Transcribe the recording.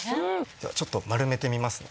ではちょっと丸めてみますね。